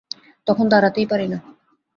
তখন দাঁড়াতেই পারি না।